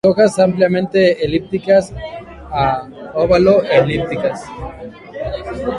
Las hojas ampliamente elípticas a ovado-elípticas.